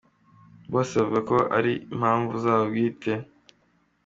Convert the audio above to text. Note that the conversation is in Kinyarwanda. Bose bavuga ko ari ku mpamvu zabo bwite.